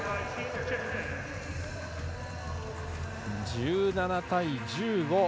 １７対１５。